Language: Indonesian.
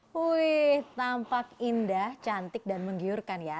wih tampak indah cantik dan menggiurkan ya